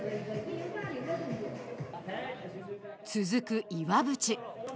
続く岩渕。